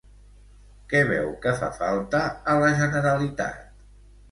Què veu que fa falta a la Generalitat?